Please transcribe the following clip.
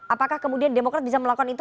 apakah kemudian demokrat bisa melakukan itu